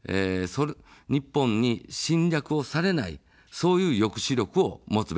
日本に侵略をされない、そういう抑止力を持つべきだと思います。